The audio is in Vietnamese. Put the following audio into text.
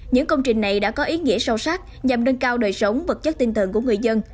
những công trình này đã có ý nghĩa sâu sắc nhằm nâng cao đời sống vật chất tinh thần của người dân